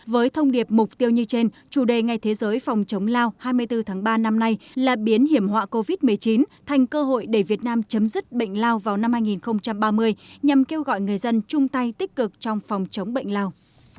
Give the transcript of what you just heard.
với thông điệp mục tiêu như trên chủ đề ngày thế giới phòng chống lao hai mươi bốn tháng ba năm nay là biến hiểm họa covid một mươi chín thành cơ hội để việt nam chấm dứt bệnh lao vào năm hai nghìn ba mươi nhằm kêu gọi người dân chung tay tích cực trong phòng chống bệnh lao